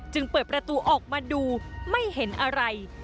เปิดประตูออกมาดูไม่เห็นอะไร